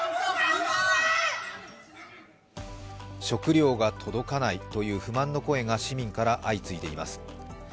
食料が届かないという不満の声が市民から相次いでいます。